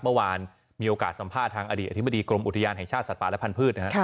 เมื่อวานมีโอกาสสัมภาษณ์ทางอดีตอธิบดีกรมอุทยานแห่งชาติสัตว์ป่าและพันธุ์นะครับ